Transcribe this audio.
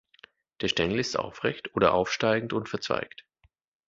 Der Stängel ist aufrecht oder aufsteigend und verzweigt.